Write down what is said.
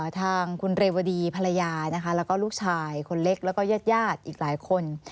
ทางคุณเรวดีภรรยานะคะแล้วก็ลูกชายคนเล็กแล้วก็ญาติญาติอีกหลายคน